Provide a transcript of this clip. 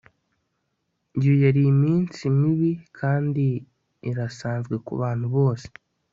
iyo yari iminsi .mibi kandi irasanzwe kubantu bose.